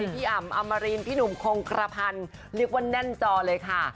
พี่อ่ำอำมารินพี่หนุ่มคงกระพันธ์เรียกว่าแน่นจอเลยค่ะ